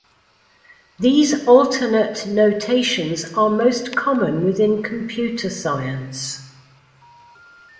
These alternate notations are most common within computer science.